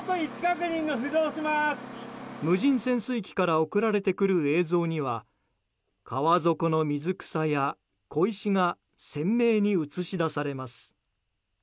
無人潜水機から送られてくる映像には川底の水草や小石が鮮明に映し出されます。